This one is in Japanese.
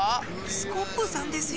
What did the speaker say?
スコップさんですよ。